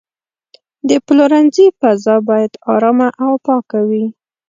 د پلورنځي فضا باید آرامه او پاکه وي.